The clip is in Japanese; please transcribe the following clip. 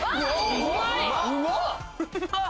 うまっ！